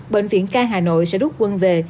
bệnh viện ca hà nội sẽ rút quân về